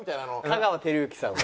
香川照之さん。